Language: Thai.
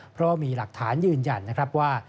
เพราะว่ามีหลักฐานยืนยันนะครับว่า